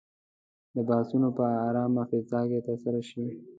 دا بحثونه په آرامه فضا کې ترسره شي.